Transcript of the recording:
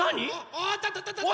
おっとっととと。